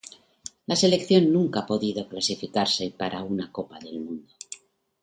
La selección nunca ha podido clasificarse para una Copa del Mundo.